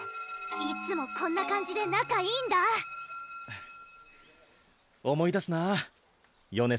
いつもこんな感じで仲いいんだ思い出すなぁよね